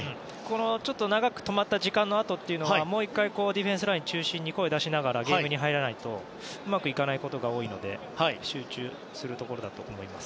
ちょっと長く止まった時間のあとというのはディフェンスラインを中心に声を出しながらゲームに入らないとうまくいかないことが多いので集中するところだと思います。